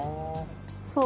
そう。